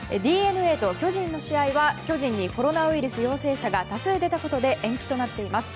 ＤｅＮＡと巨人の試合は巨人にコロナウイルス陽性者が多数出たことで延期となっています。